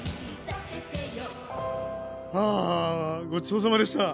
ああごちそうさまでした！